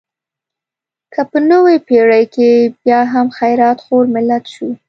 که په نوې پېړۍ کې بیا هم خیرات خور ملت شو.